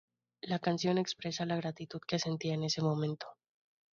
La canción expresa la gratitud que sentía en ese momento.